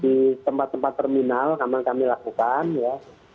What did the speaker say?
di tempat tempat terminal memang kami lakukan ya